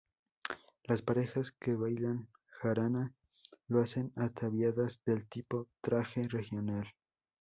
Las parejas que bailan jarana lo hacen ataviadas del típico traje regional.